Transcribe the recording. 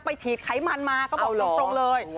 ฉีดไขมันมาก็บอกตรงเลย